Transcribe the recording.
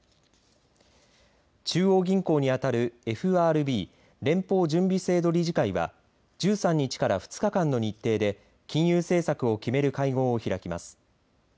中央銀行に当たる、ＦＲＢ連邦準備制度理事会は１３日から２日間の日程で金融政策を決める会合を開きます。